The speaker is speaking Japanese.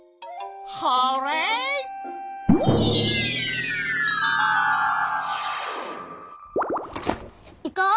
ホーレイ！いこう！